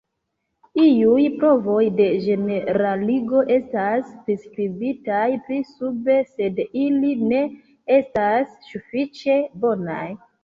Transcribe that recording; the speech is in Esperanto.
Iuj provoj de ĝeneraligo estas priskribitaj pli sube, sed ili ne estas sufiĉe bonaj.